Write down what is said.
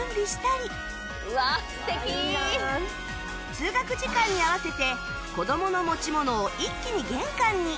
通学時間に合わせて子どもの持ち物を一気に玄関に